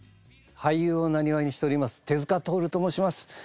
俳優を生業にしております手塚とおると申します。